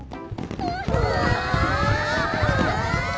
うわ！